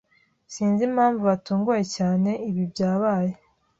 Sinzi impamvu watunguwe cyane ibi byabaye.